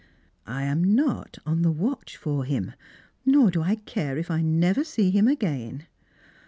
" I am not on the watch for him, nor do I care if I never see him again."